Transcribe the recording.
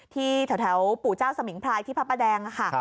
ที่แถวปู่เจ้าสมิงพรายที่พระประแดงค่ะ